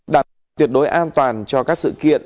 đảm bảo tuyệt đối an toàn cho các sự kiện